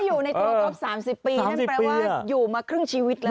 อยู่ในตัวครบ๓๐ปีนั่นแปลว่าอยู่มาครึ่งชีวิตแล้ว